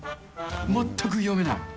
全く読めない。